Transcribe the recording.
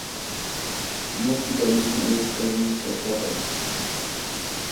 امت کی تاریخ میں ایک عظیم فیصلہ ہے